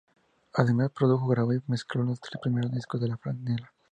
Además produjo, grabó, y mezcló los tres primeros discos de La Franela.